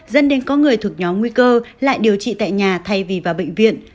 dân đến có người thuộc nhóm nguy cơ lại điều trị tại nhà thay vì vào bệnh viện